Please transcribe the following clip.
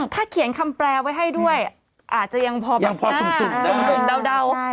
ถ้าเขียนคำแปรไว้ให้ด้วยอาจจะยังพอมา๕ดาว